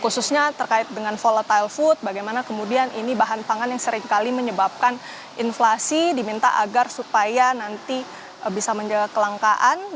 khususnya terkait dengan volatile food bagaimana kemudian ini bahan pangan yang seringkali menyebabkan inflasi diminta agar supaya nanti bisa menjaga kelangkaan